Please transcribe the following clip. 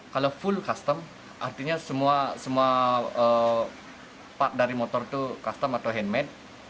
kalau full custom artinya semua part dari motor itu custom atau handmade